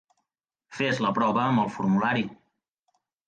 Fes la prova amb el formulari.